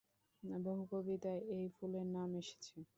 বহু কবিতায় এই ফুলের নাম এসেছে।